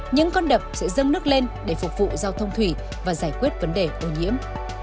những con đập sẽ dâng nước lên để phục vụ giao thông thủy và giải quyết vấn đề ô nhiễm